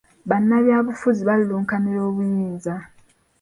Bannabyabufuzi balulunkanira obuyinza.